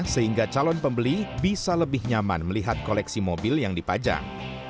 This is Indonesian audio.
sehingga calon pembeli bisa lebih nyaman melihat koleksi mobil yang dipajang